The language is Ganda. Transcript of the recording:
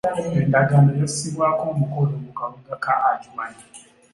Endagaano yassibwako omukono mu kabuga ka Adjumani